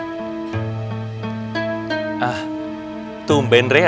tumben re ada yang mau ketemu rene ya